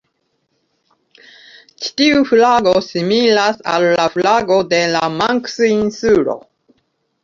Ĉi tiu flago similas al la flago de la Manks-insulo.